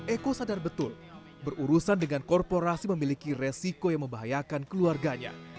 eko sadar betul berurusan dengan korporasi memiliki resiko yang membahayakan keluarganya